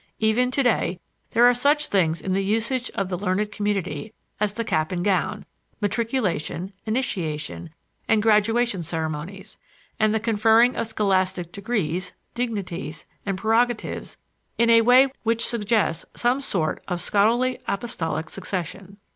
Even today there are such things in the usage of the learned community as the cap and gown, matriculation, initiation, and graduation ceremonies, and the conferring of scholastic degrees, dignities, and prerogatives in a way which suggests some sort of a scholarly apostolic succession.